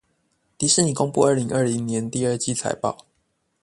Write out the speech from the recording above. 迪士尼公布二零二零年第二季財報